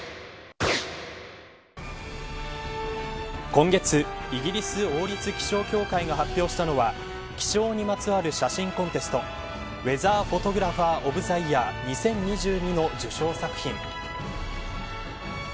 今月、イギリス王立気象協会が発表したのは気象にまつわる写真コンテストウェザーフォトグラファーオブザイヤー２０２２の受賞作品